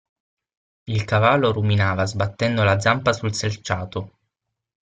Il cavallo ruminava sbattendo la zampa sul selciato.